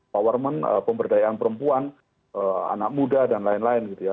powerment pemberdayaan perempuan anak muda dan lain lain gitu ya